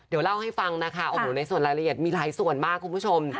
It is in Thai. เดี๋ยวเล่าให้ฟังนะคะโอ้โหในส่วนรายละเอียดมีหลายส่วนมากคุณผู้ชม